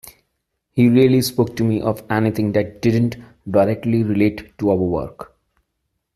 He rarely spoke to me of anything that didn't directly relate to our work.